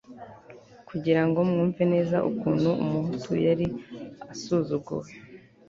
kugira ngo mwumve neza ukuntu umuhutu yari asuzuguwe